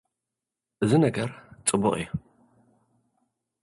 እዚ ነገር ጽቡቕ እዩ።